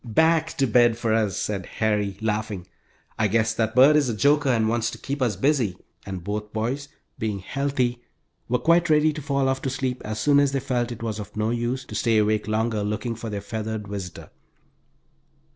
"Back to bed for us," said Harry, laughing. "I guess that bird is a joker and wants to keep us busy," and both boys being healthy were quite ready to fall off to sleep as soon as they felt it was of no use to stay awake longer looking for their feathered visitor.